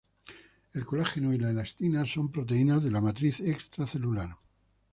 El colágeno y la elastina son proteínas de la matriz extracelular.